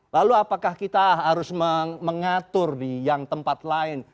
lalu apakah kita harus mengatur di yang tempat lain